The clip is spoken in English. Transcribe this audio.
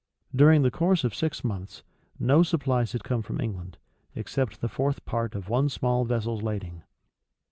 During the course of six months, no supplies had come from England, except the fourth part of one small vessel's lading.